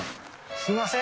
すいません。